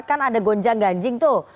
kan ada gonjang ganjing tuh